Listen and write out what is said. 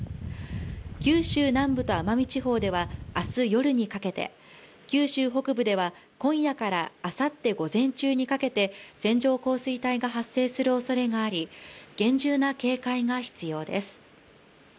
九州南部と奄美地方では明日夜にかけ九州北部では今夜からあさって午前中にかけて線状降水帯が発生するおそれがあり厳重な警戒が必要です。